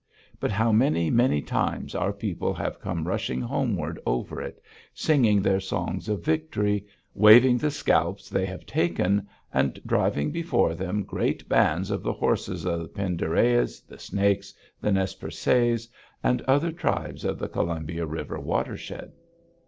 But how many, many times our people have come rushing homeward over it, singing their songs of victory, waving the scalps they have taken, and driving before them great bands of the horses of the Pend d'Oreilles, the Snakes, the Nez Percés, and other tribes of the Columbia River watershed.